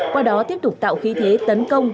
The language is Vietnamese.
qua đó tiếp tục tạo khí thế tấn công